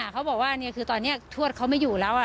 เค้าบอกว่าเนี่ยคือตอนนี้ทวดเค้าไม่อยู่แล้วอ่ะ